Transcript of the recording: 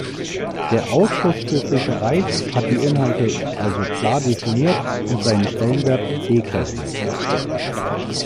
Der Ausschuss für Fischerei hat die Inhalte also klar definiert und seinen Stellenwert deklariert.